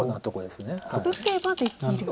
打てばできる。